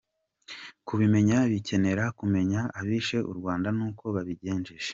Kubimenya, bikenera kumenya abishe u Rwanda n’uko babigenje.